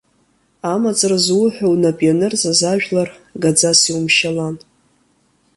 Амаҵ рызу ҳәа унап ианырҵаз ажәлар, гаӡас иумшьалан.